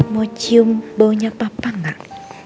mau cium baunya papa nggak